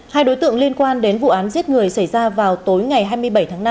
hai đối tượng liên quan đến vụ án giết người xảy ra vào tối ngày hai mươi bảy tháng năm